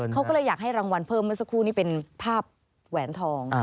เขาก็เลยอยากให้รางวัลเพิ่มเมื่อสักครู่นี่เป็นภาพแหวนทอง